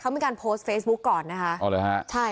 เขามีการโพสต์เฟซบุ๊กก่อนนะคะอ๋อเหรอฮะใช่